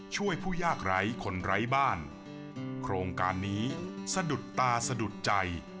ผู้ยากไร้คนไร้บ้านโครงการนี้สะดุดตาสะดุดใจ